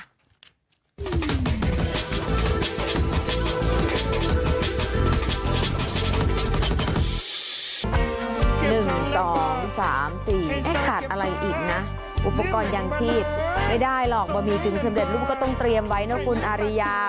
ขาดอะไรอีกนะอุปกรณ์ยางชีพไม่ได้หรอกบะหมี่กึ่งสำเร็จรูปก็ต้องเตรียมไว้นะคุณอาริยา